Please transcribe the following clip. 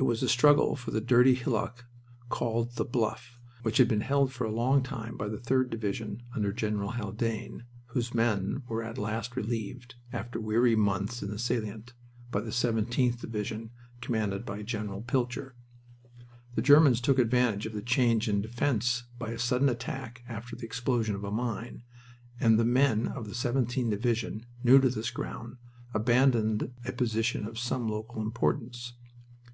It was a struggle for a dirty hillock called the Bluff, which had been held for a long time by the 3d Division under General Haldane, whose men were at last relieved, after weary months in the salient, by the 17th Division commanded by General Pilcher. The Germans took advantage of the change in defense by a sudden attack after the explosion of a mine, and the men of the 17th Division, new to this ground, abandoned a position of some local importance.